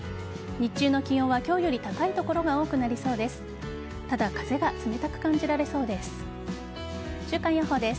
日中の気温は今日より高い所が多くなりそうです。